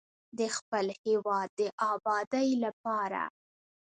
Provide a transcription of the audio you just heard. د خپل هیواد د ابادۍ لپاره.